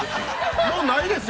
もうないですよ。